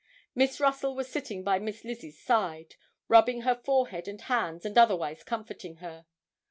Miss Russell was sitting by Miss Lizzie's side, rubbing her forehead and hands and otherwise comforting her.